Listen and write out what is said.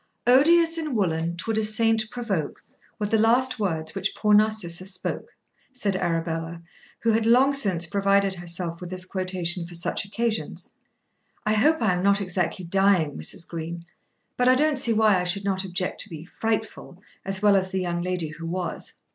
"'Odious in woollen; 'twould a saint provoke, Were the last words which poor Narcissa spoke.'" said Arabella, who had long since provided herself with this quotation for such occasions. "I hope I am not exactly dying, Mrs. Green; but I don't see why I should not object to be 'frightful,' as well as the young lady who was."